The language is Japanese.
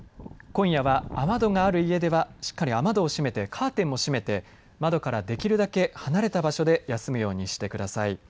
今夜は雨戸がある家ではしっかり雨戸を閉めてカーテンも閉めて窓からできるだけ離れた場所で休むようにしてください。